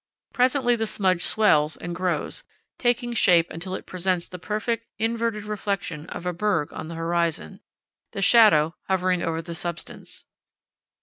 Presently the smudge swells and grows, taking shape until it presents the perfect inverted reflection of a berg on the horizon, the shadow hovering over the substance.